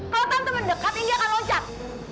kalau tante mendekat indi akan loncat